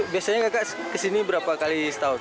biasanya kakak kesini berapa kali setahun